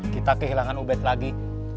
kita kehilangan ubet lagi